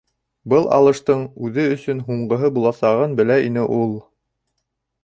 Был алыштың үҙе өсөн һуңғыһы буласағын белә ине ул.